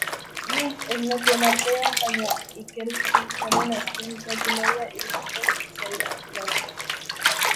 Nik ez nekien artean, baina ikerkuntzaren azken kate-maila iritsiko zitzaidan laster.